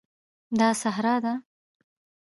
دا صحرا ده